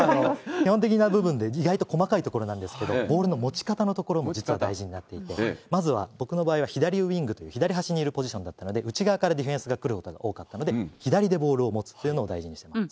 基本的な部分で、意外と細かいところなんですけれども、ボールの持ち方のところも実は大事になっていて、まずは僕の場合は左ウイングという、左側の内側からディフェンスが来ることが多かったので、左でボールを持つっていうことを大事にしていました。